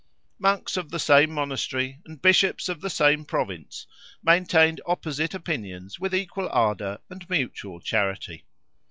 Monks of the same Monastery and Bishops of the same Province maintained opposite opinions with equal ardour and mutual charity.